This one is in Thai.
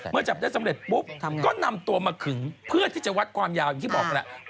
จับได้สำเร็จปุ๊บก็นำตัวมาขึงเพื่อที่จะวัดความยาวอย่างที่บอกแหละ